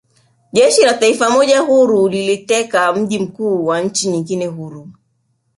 Jeshi la taifa moja huru liliuteka mji mkuu wa nchi nyingine huru